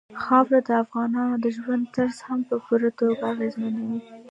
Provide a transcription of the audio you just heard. خاوره د افغانانو د ژوند طرز هم په پوره توګه اغېزمنوي.